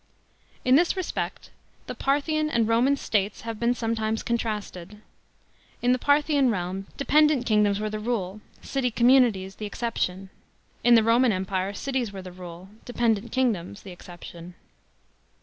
In this respect, the Parthian and Roman states have been sometimes contrasted. In the Parthian realm dependent kingdoms were the rule, city communities the exception ; in the Roman Empire cities were the rule, dependent kingdoms the exception.